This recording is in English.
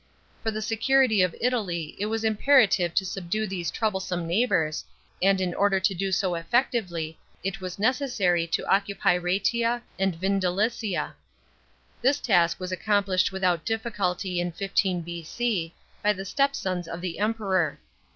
For the security of Italy it was imperative to subdue these troublesome neighbours, and in order to do so effectively it was necessary to occupy Rsetia and Vindelicia. This task was accomplished without difficulty in 15 B.C., by the stepsons of the Emperor.